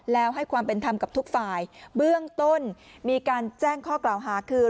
แล้วให้ความเป็นธรรมกับทุกฝ่ายเบื้องต้นมีการแจ้งข้อกล่าวหาคือ